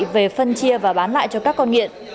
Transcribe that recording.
về phân chia và bán lại cho các con nghiện